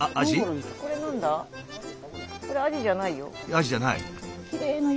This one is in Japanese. アジじゃない？